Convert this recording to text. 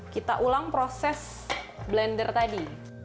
kita ulang proses blender tadi